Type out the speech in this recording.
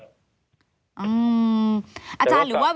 อาจารย์หรือว่า